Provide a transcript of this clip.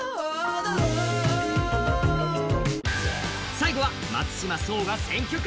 最後は松島聡が選曲。